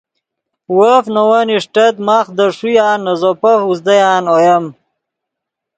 وف نے ون اݰٹت ماخ دے ݰویہ نے زوپف اوزدیان اویم